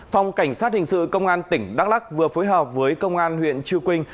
phòng cảnh sát hình sự công an tỉnh đắk lắc vừa phối hợp với công an huyện chư quynh